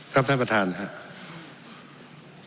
ครับท่านประธานครับ